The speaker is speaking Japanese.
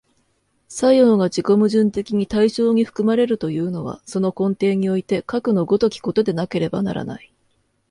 作用が自己矛盾的に対象に含まれるというのは、その根底においてかくの如きことでなければならない。